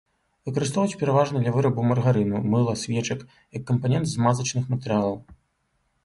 Выкарыстоўваюць пераважна для вырабу маргарыну, мыла, свечак, як кампанент змазачных матэрыялаў.